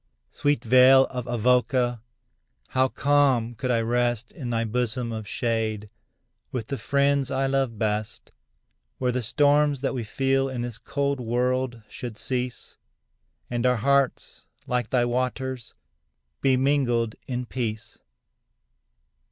Sweet vale of Avoca! how calm could I rest In thy bosom of shade, with the friends I love best, Where the storms that we feel in this cold world should cease, And our hearts, like thy waters, be mingled in peace.